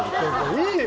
いいよ！